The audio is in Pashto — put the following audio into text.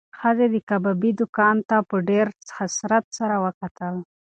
ښځې د کبابي دوکان ته په ډېر حسرت سره وکتل.